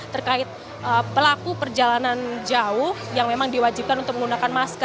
terkait pelaku perjalanan jauh yang memang diwajibkan